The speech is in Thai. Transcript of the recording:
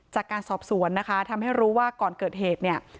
จากการสอบสวนนะคะทำให้รู้ว่าก่อนเกิดเหตุเนี่ย